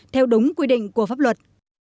theo đúng quy định của pháp luật